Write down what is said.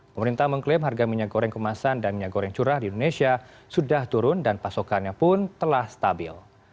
pemerintah mengklaim harga minyak goreng kemasan dan minyak goreng curah di indonesia sudah turun dan pasokannya pun telah stabil